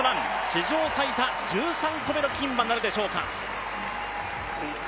史上最多１３個目の金はなるでしょうか。